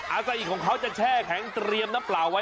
อาศัยของเขาจะแช่แข็งเตรียมน้ำเปล่าไว้